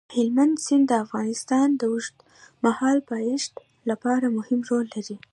هلمند سیند د افغانستان د اوږدمهاله پایښت لپاره مهم رول لري.